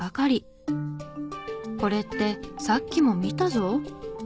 「これってさっきも見たぞ」。